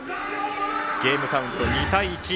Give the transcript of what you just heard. ゲームカウント２対１。